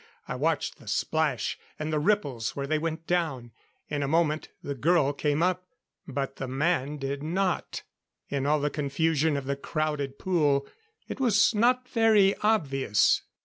I watched the splash and the ripples where they went down. In a moment, the girl came up but the man did not. In all the confusion of the crowded pool, it was not very obvious.